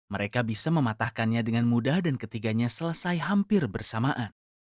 mereka bisa mematahkannya dengan mudah dan ketiganya selesai hampir bersamaan